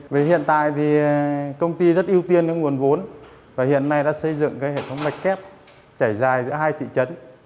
với hiện tại thì công ty rất ưu tiên với nguồn vốn và hiện nay đã xây dựng hệ thống lệch kép trải dài giữa hai thị trấn